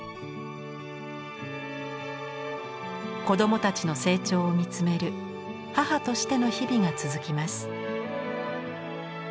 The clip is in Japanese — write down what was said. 子どもたちの成長を見つめる母としての日々が続きます。